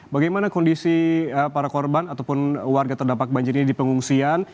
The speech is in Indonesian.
bagaimana kondisi para korban ataupun warga terdampak banjir ini di pengungsian